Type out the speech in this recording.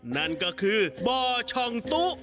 นั่นก็คือบ่อช่องตุ๊